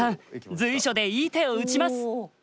随所でいい手を打ちます！